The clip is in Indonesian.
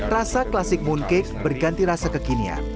rasa klasik mooncake berganti rasa kekinian